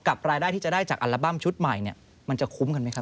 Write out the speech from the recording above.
รายได้ที่จะได้จากอัลบั้มชุดใหม่เนี่ยมันจะคุ้มกันไหมครับ